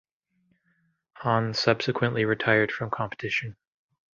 Han subsequently retired from competition.